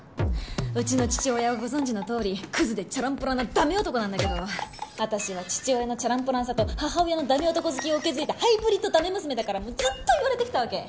うちの父親はご存じのとおりクズでチャランポランなダメ男なんだけど私は父親のチャランポランさと母親のダメ男好きを受け継いだハイブリッド・ダメ娘だからずっと言われてきたわけ。